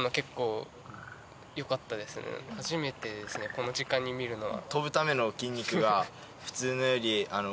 この時間に見るのは。